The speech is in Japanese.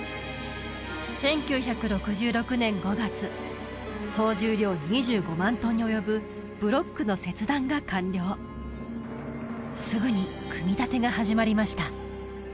１９６６年５月総重量２５万トンに及ぶブロックの切断が完了すぐに組み立てが始まりました